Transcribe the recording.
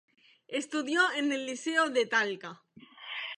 Estudió en el Liceo de Talca.